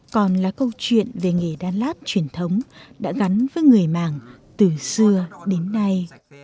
còn là câu chuyện về nghề đan lát truyền thống đã gắn với người mạng từ xưa đến nay